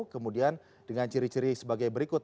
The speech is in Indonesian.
kemudian dengan ciri ciri sebagai berikut